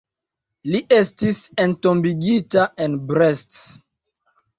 Li estis entombigita en Brest.